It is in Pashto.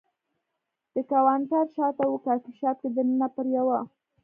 د کاونټر شاته و، کافي شاپ کې دننه پر یوه.